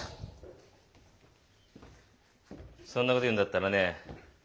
そんなこと言うんだったらね